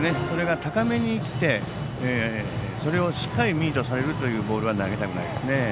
それが高めにいってそれをしっかりミートされるというボールは投げたくないですね。